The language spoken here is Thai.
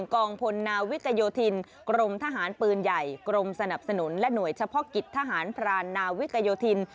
กองพลนาวิกโยธินกรมทหารปืนใหญ่กรมสนับสนุนและหน่วยเฉพาะกิจทหารพรานนาวิกโยธิน